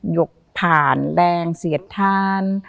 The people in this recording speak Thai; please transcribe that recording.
หยกผ่านแรงเสียดทาน